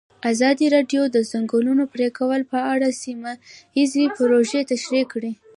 ازادي راډیو د د ځنګلونو پرېکول په اړه سیمه ییزې پروژې تشریح کړې.